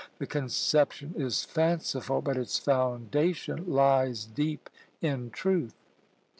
The conception is fanciful, but its foundation lies deep in truth.